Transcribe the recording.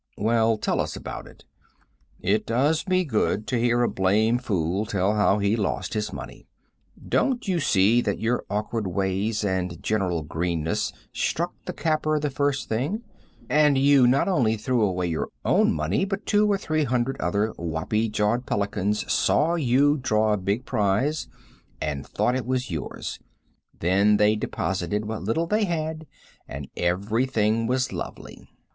"Well, tell us about it. It does me good to hear a blamed fool tell how he lost his money. Don't you see that your awkward ways and general greenness struck the capper the first thing, and you not only threw away your own money, but two or three hundred other wappy jawed pelicans saw you draw a big prize and thought it was yours, then they deposited what little they had and everything was lovely."